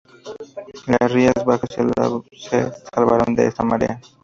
Las Rías Bajas se salvaron de esta marea.